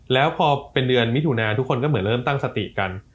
แล้วพอเป็นเดือนมิถุนาทุกคนก็เหมือนเริ่มตั้งสติกัน